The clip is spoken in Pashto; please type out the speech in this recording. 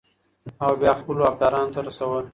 او بيا خپلو حقدارانو ته رسول ،